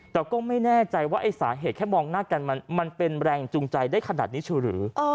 แต่ก็ไม่แน่ใจว่าไอ้สาเหตุแค่มองหน้ากันมันเป็นแรงจูงใจได้ขนาดนี้ชูหรือ